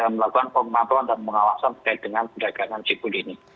melakukan pemantauan dan pengawasan terkait dengan peredaran cekul ini